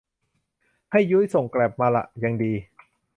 ให้ยุ้ยส่งขึ้นแกร๊บมาละ ยังดี